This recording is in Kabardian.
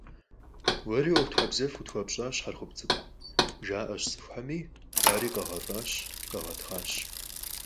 «Уэри ӀуэхутхьэбзэфӀ къытхуэпщӀащ, Хьэрхъуп цӀыкӀу», - жаӀащ цӀыхухэми, ари къагъэфӀащ, къагъэтхъащ.